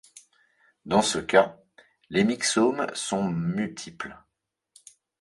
Dans ce cas, les myxomes sont multiples.